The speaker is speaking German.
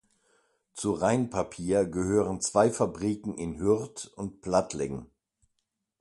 Zu Rhein Papier gehören zwei Fabriken in Hürth und Plattling.